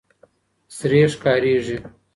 سرې ښكاريږي